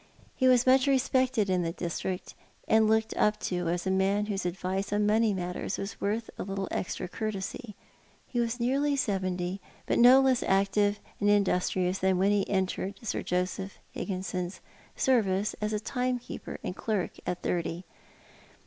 He was much respected in the district, and looked up to as a man whose advice on money mattei s was worth a little extra courtesy. He was nearly seventy, but no less active and in dustrious than when he catered Joseph Kigginson's service as timekeeper and clerk at thirty.